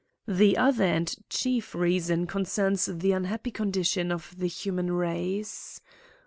The other and chief reason con cerns the unhappy condition of the human race.